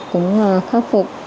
cũng khắc phục